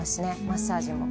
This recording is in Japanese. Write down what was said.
マッサージも。